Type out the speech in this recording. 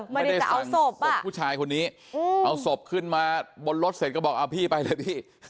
ไม่ได้เอาศพอ่ะศพผู้ชายคนนี้เอาศพขึ้นมาบนรถเสร็จก็บอกเอาพี่ไปเลยพี่